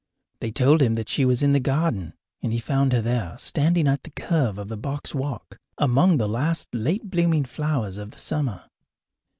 They told him that she was in the garden, and he found her there, standing at the curve of the box walk, among the last late blooming flowers of the summer.